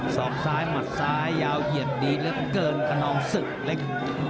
สองซ้ายหมัดซ้ายยาวเหยียดดีเหลือเกินขนองศึกเล็ก